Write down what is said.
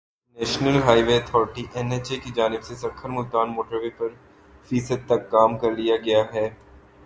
national highway authority N H A کی جانب سے سکھر ملتان موٹر وے پر فیصد تک کام کر لیا گیا ہے